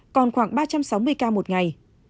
còn khoảng ba trăm sáu mươi ca một ngày